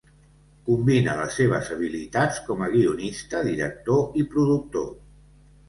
Combina les seves habilitats com a guionista, director i productor.